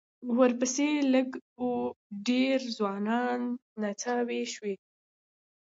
ورپسې لږ و ډېرې ځوانې نڅاوې شوې.